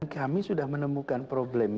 kami sudah menemukan problem